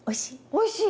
おいしい！